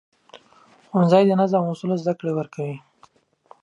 ښوونځی د نظم او اصولو زده کړه ورکوي